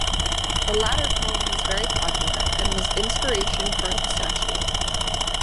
The latter poem was very popular and was the inspiration for the statue.